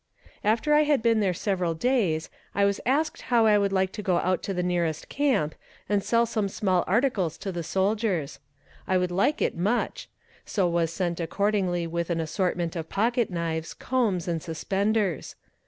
After I had been there several days, I was asked how I would like to go out to the nearest camp and sell some small articles to the soldiers. I would like it much; so was sent accordingly with an assortment of pocket knives, combs and suspenders.